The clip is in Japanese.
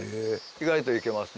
意外といけますね。